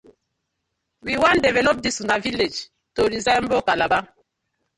We wan develop dis una villag to resemble Calabar.